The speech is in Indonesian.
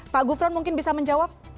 pak gufron mungkin bisa menjawab